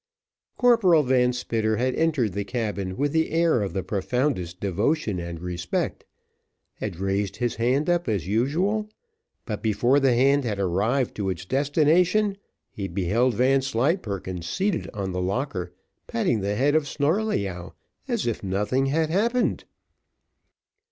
Corporal Van Spitter had entered the cabin with the air of the profoundest devotion and respect had raised his hand up as usual, but before the hand had arrived to its destination, he beheld Vanslyperken seated on the locker, patting the head of Snarleyyow, as if nothing had happened.